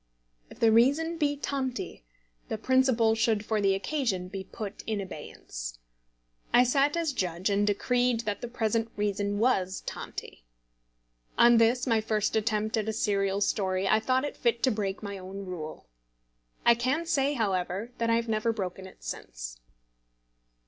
If the reason be "tanti," the principle should for the occasion be put in abeyance. I sat as judge, and decreed that the present reason was "tanti." On this my first attempt at a serial story, I thought it fit to break my own rule. I can say, however, that I have never broken it since.